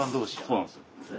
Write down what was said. そうなんですよ。